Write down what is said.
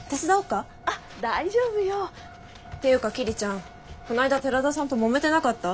あっ大丈夫よ。っていうか桐ちゃんこないだ寺田さんともめてなかった？